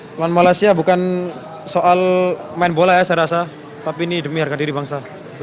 melawan malaysia bukan soal main bola ya saya rasa tapi ini demi harga diri bangsa